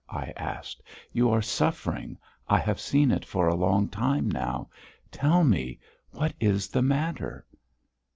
I asked. "You are suffering. I have seen it for a long time now. Tell me, what is the matter?"